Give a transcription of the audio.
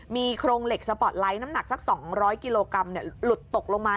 มีโครงเหล็กสปอร์ตไลท์น้ำหนักสัก๒๐๐กิโลกรัมหลุดตกลงมา